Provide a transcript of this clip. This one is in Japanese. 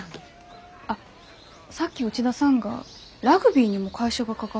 あっさっき内田さんがラグビーにも会社が関わってるって。